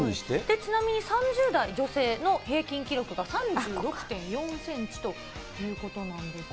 ちなみに、３０代女性の平均記録が３６．４センチということなんですよ。